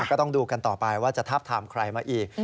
ก็ต้องดูกันต่อไปว่าจะทาบทามใครมาอีก